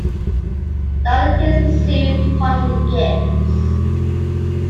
The other teams received parting gifts.